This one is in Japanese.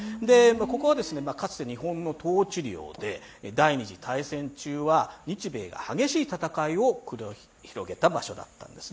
ここはかつて日本の統治領で第二次大戦中は日米が激しい戦いを繰り広げた場所だったんです。